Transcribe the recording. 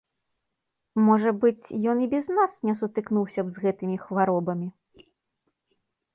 Можа быць, ён і без нас не сутыкнуўся б з гэтымі хваробамі.